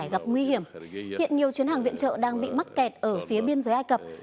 gặp nguy hiểm hiện nhiều chuyến hàng viện trợ đang bị mắc kẹt ở phía biên giới ai cập